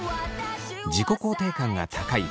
自己肯定感が高い